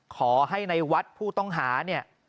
ขอให้ในวัดผู้ต้องหาเนี่ย